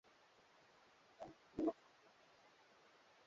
Nywele zake zinapendeza sana.